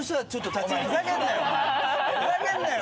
お前ふざけんなよ。